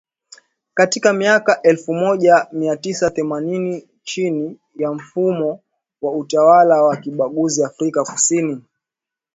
katika miaka elfu moja mia tisa themanini chini ya mfumo wa utawala wa kibaguzi Afrika Kusini